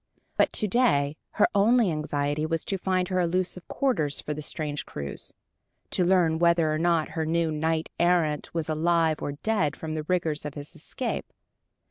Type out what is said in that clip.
But to day her only anxiety was to find her elusive quarters for the strange cruise, to learn whether or not her new knight errant were alive or dead from the rigors of his escape.